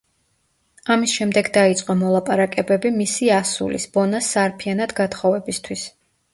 ამის შემდეგ დაიწყო მოლაპარაკებები მისი ასულის, ბონას სარფიანად გათხოვებისთვის.